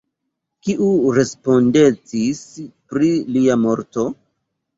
Kiu respondecis pri lia morto?